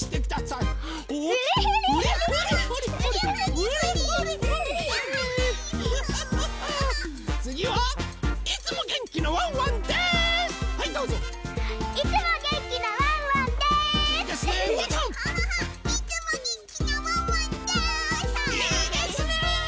いいですね！